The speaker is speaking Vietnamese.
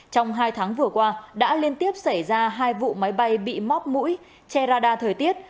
trong hai tháng vừa qua đã liên tiếp xảy ra hai vụ máy bay bị móc mũi che radar thời tiết